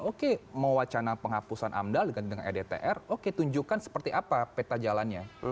oke mau wacana penghapusan amdal dengan rdtr oke tunjukkan seperti apa peta jalannya